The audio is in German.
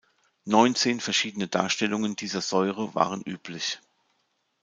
Neunzehn verschiedene Darstellungen dieser Säure waren üblich.